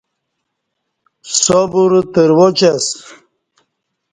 سبر ترواچ اسہ